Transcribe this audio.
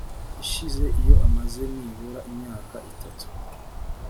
ishize iyo amaze nibura imyaka itatu